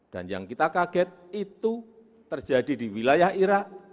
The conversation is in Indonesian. dan yang kita kaget itu terjadi di wilayah irak